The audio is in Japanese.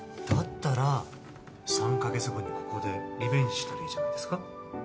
だったら３か月後にここでリベンジしたらいいじゃないですか？